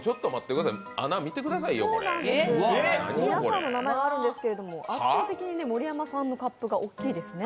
皆さんの名前がありますけれども、圧倒的に盛山さんの穴が大きいですね。